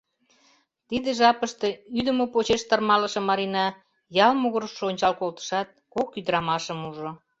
Тиде жапыште ӱдымӧ почеш тырмалыше Марина ял могырыш ончал колтышат, кок ӱдырамашым ужо.